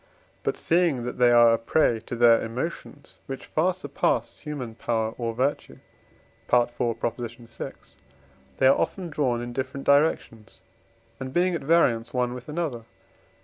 But seeing that they are a prey to their emotions, which far surpass human power or virtue (IV. vi.), they are often drawn in different directions, and being at variance one with another (IV.